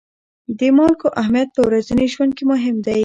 د مالګو اهمیت په ورځني ژوند کې مهم دی.